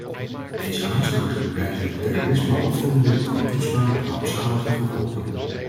Deze aanslagen bewijzen dat terrorisme overal in de wereld kan toeslaan met rampzalige gevolgen.